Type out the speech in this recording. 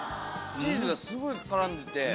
チーズがすごい絡んでて。